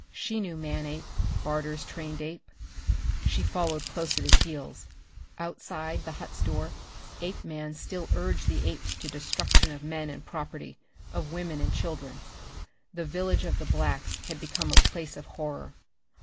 She knew Manape, Barter's trained ape. She followed close at his heels. Outside the hut's door Apeman still urged the apes to destruction of men and property, of women and children. The village of the blacks had become a place of horror.